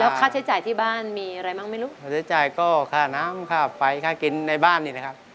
ค่าใช้จ่ายที่บ้านมีอะไรบ้างไม่รู้ค่าใช้จ่ายก็ค่าน้ำค่าไฟค่ากินในบ้านนี่นะครับ